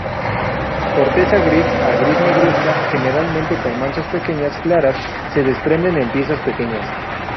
Corteza gris a gris-negruzca generalmente con manchas pequeñas claras, se desprende en piezas pequeñas.